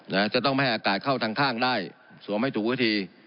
นะจะต้องไม่ให้อากาศเข้าทางข้างได้สวมให้ถูกวิธี